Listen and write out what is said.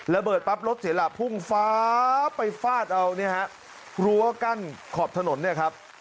ระเบิดปั๊บรถเสียหลักพุ่งฟ้าไปฟาดเอาเนี่ยฮะรั้วกั้นขอบถนนเนี่ยครับ